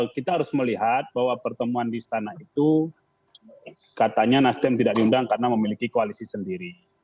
kita harus melihat bahwa pertemuan di istana itu katanya nasdem tidak diundang karena memiliki koalisi sendiri